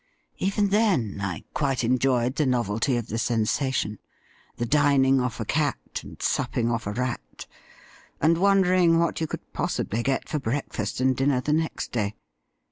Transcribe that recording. Even then I quite enjoyed the novelty of the sensation — the dining off a cat and supping off a rat, and wondering what you could possibly get for breakfast and dinner the next day.